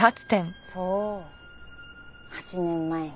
そう８年前に。